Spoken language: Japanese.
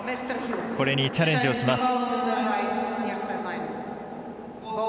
これにチャレンジをします。